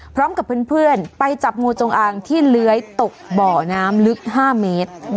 พร้อมกับเพื่อนไปจับงูจงอางที่เลื้อยตกบ่อน้ำลึก๕เมตร